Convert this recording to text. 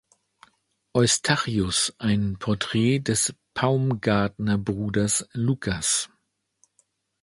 Eustachius, ein Porträt des Paumgartner Bruders, Lukas.